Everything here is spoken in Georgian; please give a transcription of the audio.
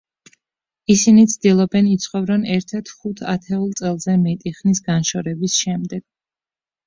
ისინი ცდილობენ იცხოვრონ ერთად ხუთ ათეულ წელზე მეტი ხნის განშორების შემდეგ.